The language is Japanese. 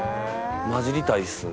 交じりたいですね。